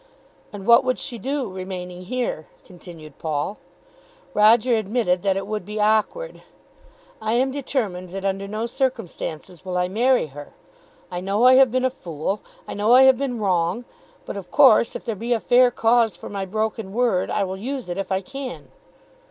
"And what would she do, remaining here?" continued Paul. Roger admitted that it would be awkward. "I am determined that under no circumstances will I marry her. I know I have been a fool. I know I have been wrong. But of course, if there be a fair cause for my broken word, I will use it if I can."